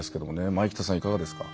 前北さん、いかがですか。